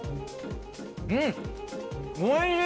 うん！